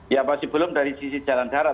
ya masih belum dari sisi jalan darat